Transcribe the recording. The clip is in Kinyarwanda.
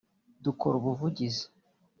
dukora ubuvugizi